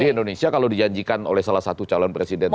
jadi indonesia kalau dijanjikan oleh salah satu calon presidennya